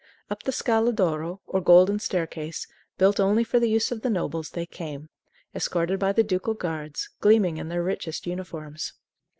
Up the Scala d'Oro, or Golden Staircase, built only for the use of the nobles, they came, escorted by the ducal guards, gleaming in their richest uniforms.